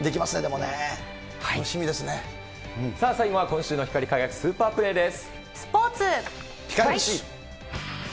さあ、最後は今週の光り輝くスーパープレーです。